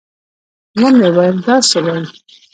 ومې ويل دا څه وايې.